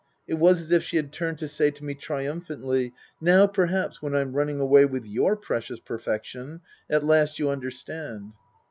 It was as if she had turned to say to me triumphantly, " Now, perhaps, when I'm running away with your precious perfection, at last you understand